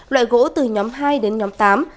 loại gỗ từ nhóm hai đến nhóm tám